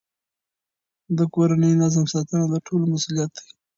د کورني نظم ساتنه د ټولو مسئولیت دی.